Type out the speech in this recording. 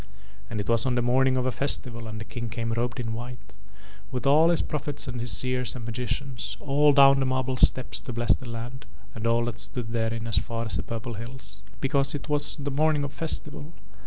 And it was on the morning of a festival and the King came robed in white, with all his prophets and his seers and magicians, all down the marble steps to bless the land and all that stood therein as far as the purple hills, because it was the morning of festival.